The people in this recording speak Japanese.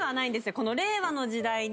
この令和の時代に。